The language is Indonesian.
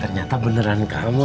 ternyata beneran kamu tuh kum